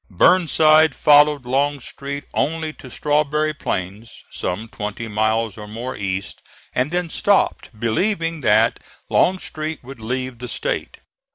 Burnside followed Longstreet only to Strawberry Plains, some twenty miles or more east, and then stopped, believing that Longstreet would leave the State.